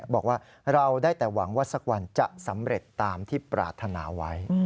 บอกว่าเราได้แต่หวังว่าสักวันจะสำเร็จตามที่ปรารถนาไว้